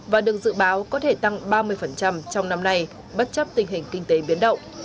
và được dự báo có thể tăng ba mươi trong năm nay bất chấp tình hình kinh tế biến động